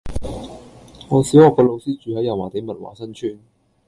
我小學個老師住喺油麻地文華新村